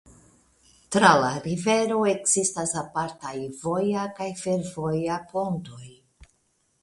Tra la rivero ekzistas apartaj voja kaj fervoja pontoj.